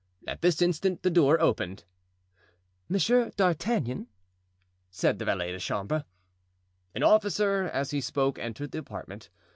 At this instant the door opened. "Monsieur d'Artagnan," said the valet de chambre. An officer, as he spoke, entered the apartment.